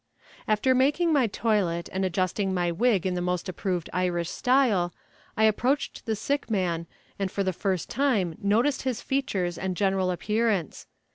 After making my toilet and adjusting my wig in the most approved Irish style, I approached the sick man, and for the first time noticed his features and general appearance.